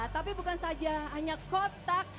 tapi bukan saja hanya kotak